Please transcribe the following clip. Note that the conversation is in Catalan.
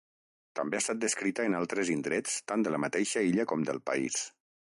També ha estat descrita en altres indrets tant de la mateixa illa com del país.